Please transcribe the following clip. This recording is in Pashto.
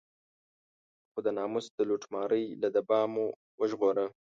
خو د ناموس د لوټمارۍ له دبا مو وژغوره.